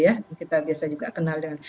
yang kita bisa juga kenal dengan